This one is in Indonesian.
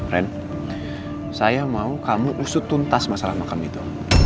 ren saya mau kamu usut tuntas masalah makam itu